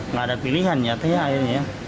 nggak ada pilihan nyatanya